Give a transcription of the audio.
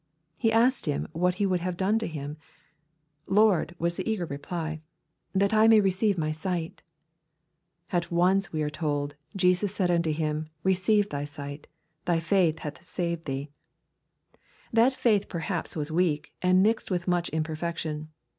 He asked him what he would have done to him ?" Lord/' was the eager reply, " that I may receive my sight/' At once we are told, " Jesus said unto him, receive thy sight ; thy faith hath saved thee/' That faith perhaps was weak, and mixed with much imperfection.